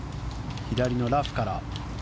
左のラフから。